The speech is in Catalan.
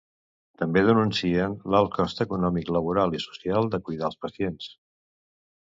També denuncien l'alt cost econòmic, laboral i social de cuidar els pacients.